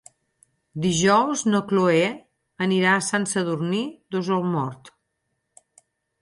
Dijous na Chloé anirà a Sant Sadurní d'Osormort.